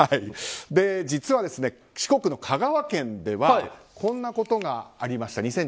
実は四国の香川県ではこんなことがありました。